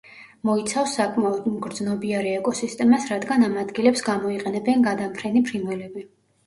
მოიცავს საკმაოდ მგრძნობიარე ეკოსისტემას, რადგან ამ ადგილებს გამოიყენებენ გადამფრენი ფრინველები.